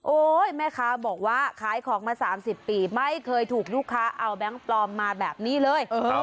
แม่ค้าบอกว่าขายของมา๓๐ปีไม่เคยถูกลูกค้าเอาแบงค์ปลอมมาแบบนี้เลย